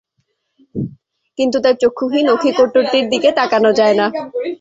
কিন্তু তার চক্ষুহীন অক্ষিকোটরটির দিকে তাকানো যায় না।